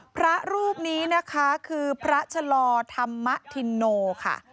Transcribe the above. พระรูปนี้นะคะคือพระชะลอธรรมธินโนค่ะ